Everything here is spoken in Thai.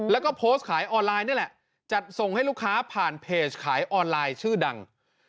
แล้วก็โพสต์ขายออนไลน์นี่แหละจัดส่งให้ลูกค้าผ่านเพจขายออนไลน์ชื่อดัง